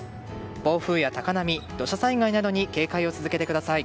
暴風や高波土砂災害などに警戒を続けてください。